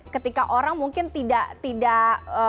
ketika orang mungkin tidak tidak eee